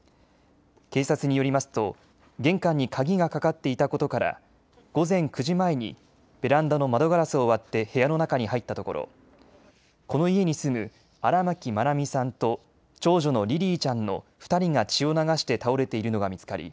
警察によりますと玄関に鍵がかかっていたことから午前９時前にベランダの窓ガラスを割って部屋の中に入ったところこの家に住む荒牧愛美さんと長女のリリィちゃんの２人が血を流して倒れているのが見つかり